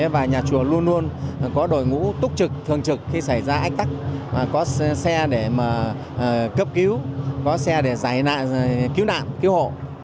và nhà chùa luôn luôn có đội ngũ túc trực thường trực khi xảy ra ách tắc có xe để mà cấp cứu có xe để giải nạn cứu nạn cứu hộ